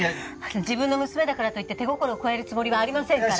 自分の娘だからといって手心を加えるつもりはありませんから。